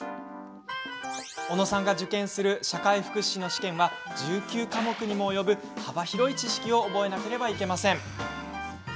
小野さんが受験する社会福祉士の試験は１９科目にも及ぶ幅広い知識を覚えなければいけません。